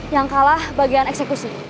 yang kalah bagian eksekusi